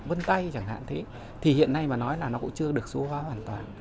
vân tay chẳng hạn thế thì hiện nay mà nói là nó cũng chưa được số hóa hoàn toàn